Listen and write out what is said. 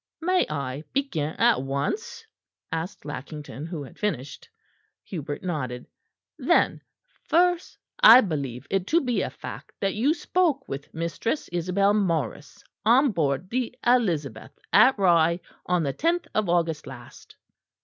"May I begin at once?" asked Lackington, who had finished. Hubert nodded. "Then first I believe it to be a fact that you spoke with Mistress Isabel Morris on board the Elizabeth at Rye on the tenth of August last."